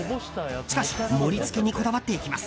しかし盛り付けにこだわっていきます。